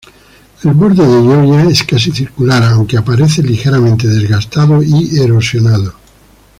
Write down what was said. El borde de Gioia es casi circular, aunque aparece ligeramente desgastado y erosionado.